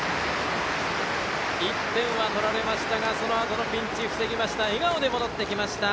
１点は取られましたがそのあとのピンチを防ぎました。